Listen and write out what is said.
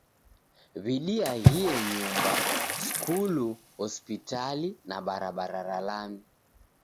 W'idiaghie nyumba, skulu, hospitali, na barabara ra lami.